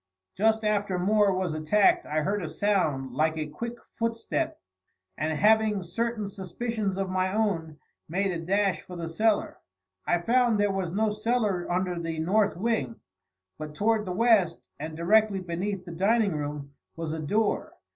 "Just after Moore was attacked I heard a sound like a quick footstep, and having certain suspicions of my own, made a dash for the cellar. I found there was no cellar under the north wing; but toward the west, and directly beneath the dining room, was a door.